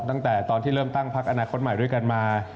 ตั้งแต่ตอนที่เริ่มตั้งพักอนาคตใหม่ด้วยกันมา